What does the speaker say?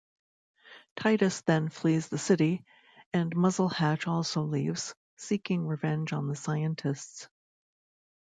Titus then flees the city, and Muzzlehatch also leaves, seeking revenge on the scientists.